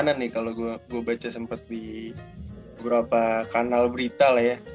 maksudnya ngeliat ada wacana nih kalau gue baca sempet di beberapa kanal berita lah ya